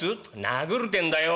「殴るてんだよ」。